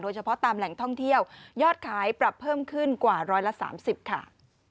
เฉพาะตามแหล่งท่องเที่ยวยอดขายปรับเพิ่มขึ้นกว่า๑๓๐ค่ะ